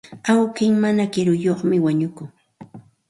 Awki mana kiruyuqmi wañukun.